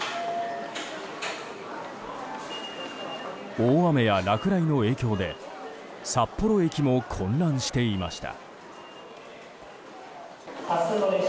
大雨や落雷の影響で札幌駅も混乱していました。